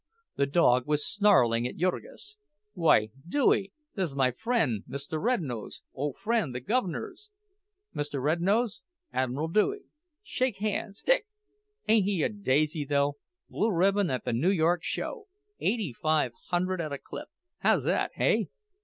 (The dog was snarling at Jurgis.) "Why, Dewey—this' my fren', Mr. Rednose—ole fren' the guv'ner's! Mr. Rednose, Admiral Dewey; shake han's—hic. Ain't he a daisy, though—blue ribbon at the New York show—eighty five hundred at a clip! How's that, hey?"